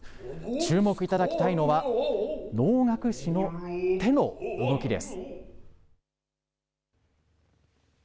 注目いただきたいのは、能楽師の手の動きです。